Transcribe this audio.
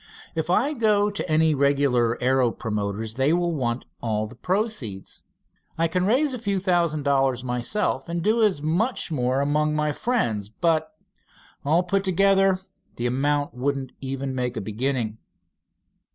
"If I go to any regular aero promoters they will want all the proceeds. I can raise a few thousand dollars myself and do as much more among my friends but, all put together, the amount wouldn't make even a beginning."